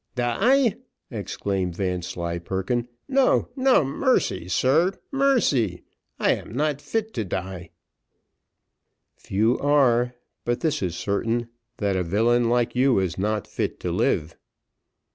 "Die!" exclaimed Vanslyperken, "no no mercy, sir mercy. I am not fit to die." "Few are but this is certain that a villain like you is not fit to live."